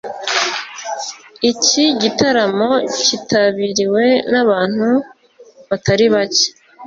Iki gitaramo kitabiriwe n'abantu batari bake